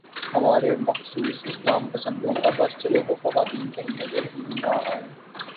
ہمارے مخصوص اسلام پسندوں کا بس چلے تو خواتین کہیں نظر ہی نہ آئیں۔